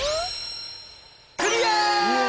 クリア！